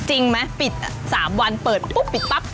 จริงไหมปิด๓วันเปิดปุ๊บปิดปั๊บ